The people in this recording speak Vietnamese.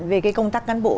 về cái công tác cán bộ